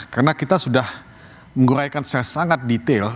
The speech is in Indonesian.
karena kita sudah mengguraikan secara sangat detail